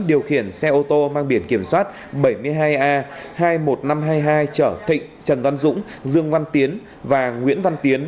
điều khiển xe ô tô mang biển kiểm soát bảy mươi hai a hai mươi một nghìn năm trăm hai mươi hai chở thịnh trần văn dũng dương văn tiến và nguyễn văn tiến